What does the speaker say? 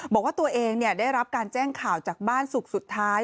บอกว่าตัวเองได้รับการแจ้งข่าวจากบ้านศุกร์สุดท้าย